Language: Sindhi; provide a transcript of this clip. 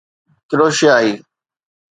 ڪروشيائي